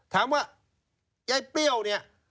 ถามว่ายายเปรี้ยวเนี่ย